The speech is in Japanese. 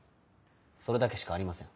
それだけしかありません。